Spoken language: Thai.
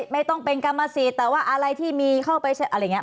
ไม่ต้องเป็นกรรมสิทธิ์แต่ว่าอะไรที่มีเข้าไปอะไรอย่างนี้